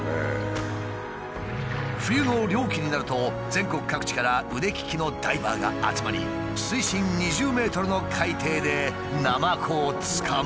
冬の漁期になると全国各地から腕利きのダイバーが集まり水深２０ｍの海底でナマコを捕まえるのだ。